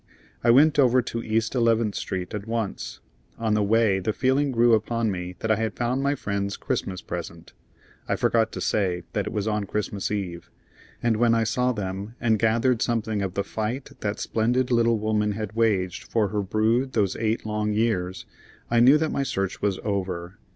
I went over to East Eleventh Street at once. On the way the feeling grew upon me that I had found my friend's Christmas present I forgot to say that it was on Christmas Eve and when I saw them and gathered something of the fight that splendid little woman had waged for her brood those eight long years, I knew that my search was over.